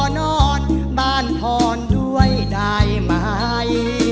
นอนบ้านพรด้วยได้ไหม